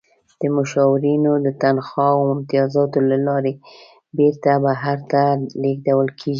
د مشاورینو د تنخواوو او امتیازاتو له لارې بیرته بهر ته لیږدول کیږي.